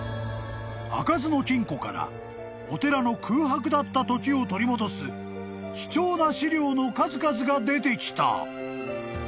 ［開かずの金庫からお寺の空白だったときを取り戻す貴重な資料の数々が出てきた］